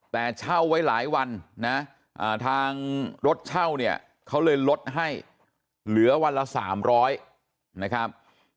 แต่เช่าไว้หลายวันนะทางรถเช่าเนี่ยเขาเลยลดให้เหลือวันละ๓๐๐นะครับ